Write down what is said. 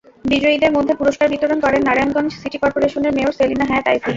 বিজয়ীদের মধ্যে পুরস্কার বিতরণ করেন নারায়ণগঞ্জ সিটি করপোরেশনের মেয়র সেলিনা হায়াৎ আইভী।